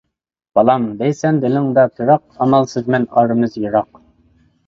«بالام! » دەيسەن، دىلىڭدا پىراق، ئامالسىزمەن ئارىمىز يىراق.